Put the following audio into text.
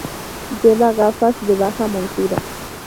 Lleva gafas de baja montura.